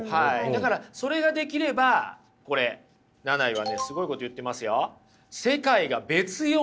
だからそれができればこれナナイはねすごいこと言ってますよ。